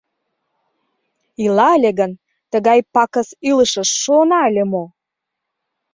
Ила ыле гын, тыгай пакыс илышыш шуына ыле мо?